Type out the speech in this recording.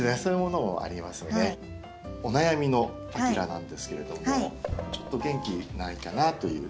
お悩みのパキラなんですけれどもちょっと元気ないかなという。